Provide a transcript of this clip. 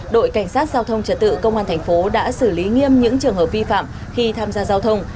đội cảnh sát giao thông trật tự công an thành phố đã xử lý nghiêm những trường hợp vi phạm khi tham gia giao thông